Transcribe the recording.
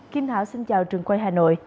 kim thảo xin chào trường quay hà nội